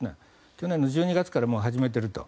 去年１２月から始めていると。